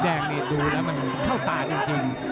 ดูแล้วมันเข้าตาจริง